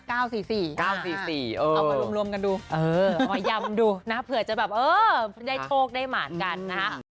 เอามารวมกันดูมายำดูนะเผื่อจะแบบเออได้โชคได้หมาดกันนะฮะ